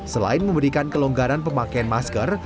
selain memberikan kelonggaran pemakaian masker